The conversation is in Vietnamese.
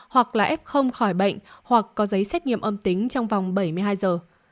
hoặc là ép không khỏi bệnh hoặc có giấy xét nghiệm âm tính trong vòng bảy mươi hai giờ